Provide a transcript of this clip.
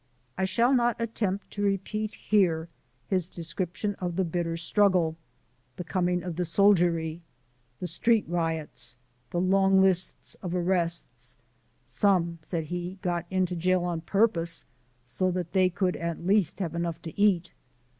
I shall not attempt to repeat here his description of the bitter struggle, the coming of the soldiery, the street riots, the long lists of arrests ("some," said he, "got into jail on purpose, so that they could at least have enough to eat!")